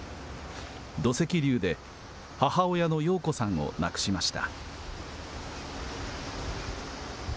土石流で、母親の陽子さんを亡くしました。